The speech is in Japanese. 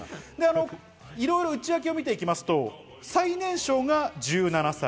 いろいろな内訳を見ていきますと、最年少が１７歳。